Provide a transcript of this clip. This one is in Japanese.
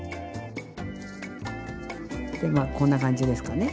でまあこんな感じですかね。